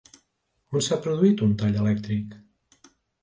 On s'ha produït un tall elèctric?